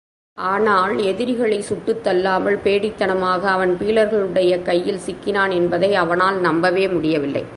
ஆனால், எதிரிகளைச் சுட்டுத் தள்ளாமல், பேடித்தனமாக அவன் பீலர்களுடைய கையில் சிக்கினான் என்பதை அவனால் நம்பவே முடியவில்லை.